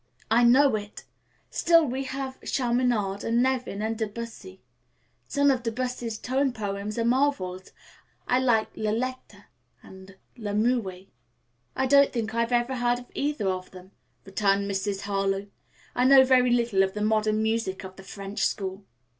"I know it. Still we have Chaminade and Nevin and De Bussy. Some of De Bussy's tone poems are marvels. I love 'La Lettre' and 'La Muette.'" "I don't think I have ever heard either of them," returned Mrs. Harlowe. "I know very little of the modern music of the French school."